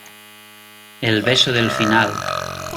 el beso del final.